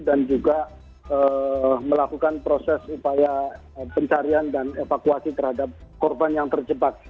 dan juga melakukan proses upaya pencarian dan evakuasi terhadap korban yang terjebak